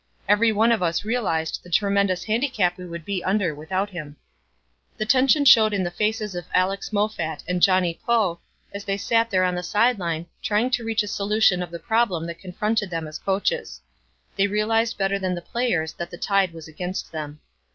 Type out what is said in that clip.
Every one of us realized the tremendous handicap we would be under without him. The tension showed in the faces of Alex Moffat and Johnny Poe as they sat there on the side line, trying to reach a solution of the problem that confronted them as coaches. They realized better than the players that the tide was against them.